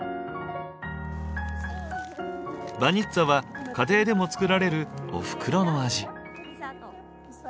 バニッツァは家庭でも作られるおふくろの味。